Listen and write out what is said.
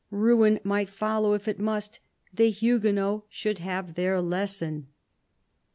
Ruin might follow, if it must : the Huguenots should have their lesson.